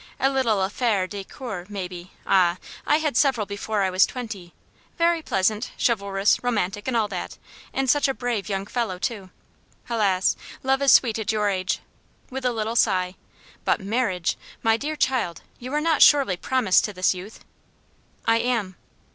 A little affaire de coeur, maybe ah! I had several before I was twenty very pleasant, chivalrous, romantic, and all that; and such a brave young fellow, too! Helas! love is sweet at your age!" with a little sigh "but marriage! My dear child, you are not surely promised to this youth?" "I am."